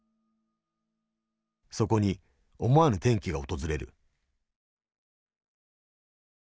そこに思わぬ転機が訪れる。